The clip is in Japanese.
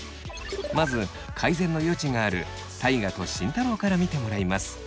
まず改善の余地がある大我と慎太郎から見てもらいます。